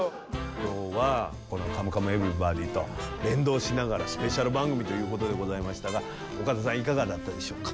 今日はこの「カムカムエヴリバディ」と連動しながらスペシャル番組ということでございましたが岡田さんいかがだったでしょうか？